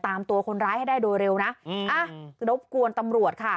ตามตัวคนร้ายให้ได้โดยเร็วนะอืมอ่ะรบกวนตำรวจค่ะ